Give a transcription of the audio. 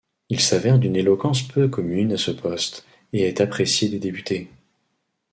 Il s'avère d'une éloquence peu commune à ce poste, et est apprécié des députés.